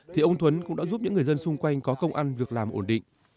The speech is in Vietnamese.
thì ông thuấn cũng đã giúp những người dân xung quanh có công ăn việc làm ổn định